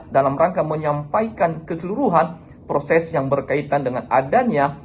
dalam rangka menyampaikan keseluruhan proses yang berkaitan dengan adanya